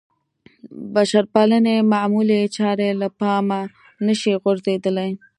بشرپالنې معمولې چارې له پامه نه شي غورځېدلی.